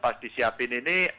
pas di siapin ini